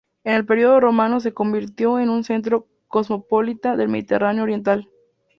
En el periodo romano se convirtió en un centro cosmopolita del Mediterráneo oriental.